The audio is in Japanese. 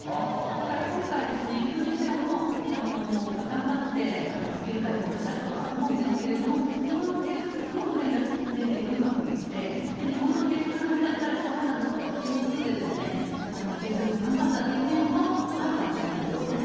だから今回、インドネシアも頑張ってスピード逮捕したとは思うんですけれども、日本の警察とすごく連携がうまくいって、日本の警察のためだったら、一肌脱ごうということで、警察も頑張ったっていう面もあるかもしれないですよね。